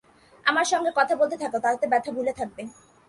আমার সঙ্গে কথা বলতে থাকো, তাতে ব্যথা ভুলে থাকবে।